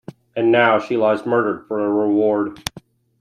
And now she lies murdered for a reward!